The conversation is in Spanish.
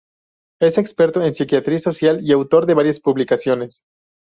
Es experto en psiquiatría social y autor de varias publicaciones.